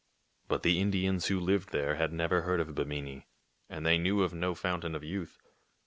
But the Indians who lived there had never heard of Bimini, and they knew of no fountain of youth.